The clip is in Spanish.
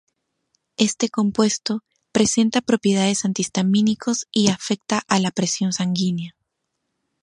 Este compuesto presenta propiedades antihistamínicos y afecta a la presión sanguínea.